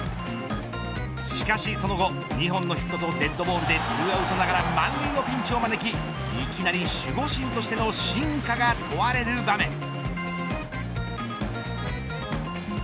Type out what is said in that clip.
しかしその後２本のヒットとデッドボールで２アウトながら満塁のピンチを招きいきなり守護神としての真価が問われる場面。